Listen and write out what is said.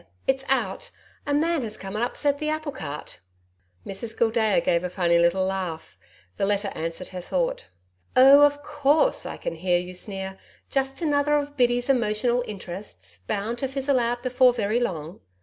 It's out. A MAN has come and upset the apple cart.' Mrs Gildea gave a funny little laugh. The letter answered her thought. '"Oh, of course!" I can hear you sneer. "Just another of Biddy's emotional interests bound to fizzle out before very long."